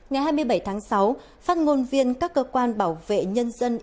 ngày hai mươi bảy tháng sáu phát ngôn viên các cơ quan bảo vệ nhân dân